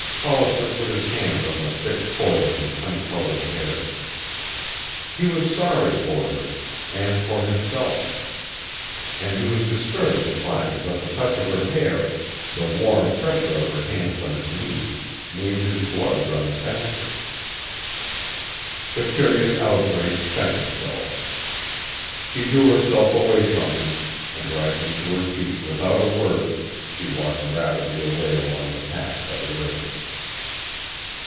Hollister put his hand on the thick coils of honey colored hair. He was sorry for her and for himself. And he was disturbed to find that the touch of her hair, the warm pressure of her hands on his knee, made his blood run faster. The curious outbreak spent itself. She drew herself away from him, and rising to her feet without a word she walked rapidly away along the path by the river.